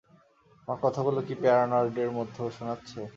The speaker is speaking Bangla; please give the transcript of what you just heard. আমার কথাগুলো কি প্যারানয়েডের মত শুনাচ্ছে?